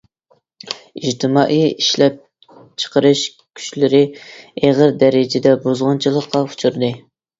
ئىجتىمائىي ئىشلەپچىقىرىش كۈچلىرى ئېغىر دەرىجىدە بۇزغۇنچىلىققا ئۇچرىدى.